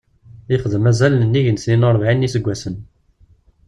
Yexdem azal n nnig n tnayen u rebɛin n yiseggasen.